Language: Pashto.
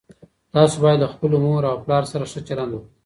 تاسو باید له خپلو مور او پلار سره ښه چلند وکړئ.